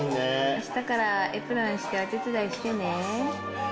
あしたから、エプロンしてお手伝いしてね。